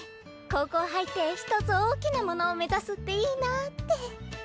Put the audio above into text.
高校入って一つ大きなものを目指すっていいなあって。